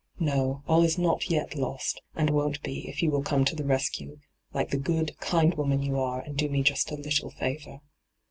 ' No, all is not yet lost, and won't be if you will come to the rescue, like the good, kind woman you are, and do me just a little favour.'